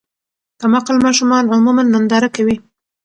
کم عقل ماشومان عموماً ننداره کوي.